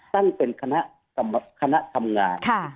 ตั้งเป็นคณะทำงาน